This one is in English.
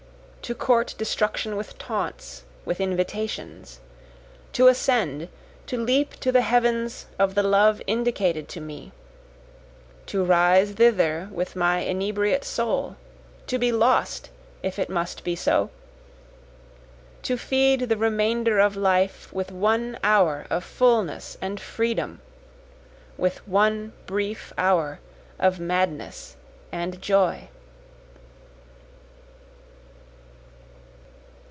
To court destruction with taunts, with invitations! To ascend, to leap to the heavens of the love indicated to me! To rise thither with my inebriate soul! To be lost if it must be so! To feed the remainder of life with one hour of fulness and freedom! With one brief hour of madness and joy.